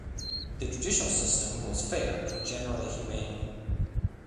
The judicial system was fair and generally humane.